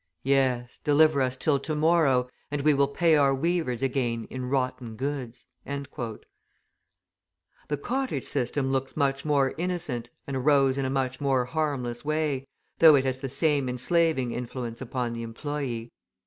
Yes, deliver us till to morrow, and we will pay our weavers again in rotten goods." The Cottage system looks much more innocent and arose in a much more harmless way, though it has the same enslaving influence upon the employee.